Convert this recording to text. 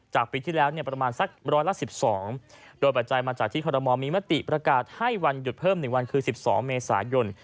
ปีที่แล้วประมาณสักร้อยละ๑๒โดยปัจจัยมาจากที่คอรมอลมีมติประกาศให้วันหยุดเพิ่ม๑วันคือ๑๒เมษายน